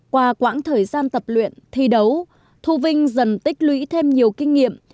qua quãng thời gian tập luyện thi đấu thu vinh dần tích lũy thêm nhiều kinh nghiệm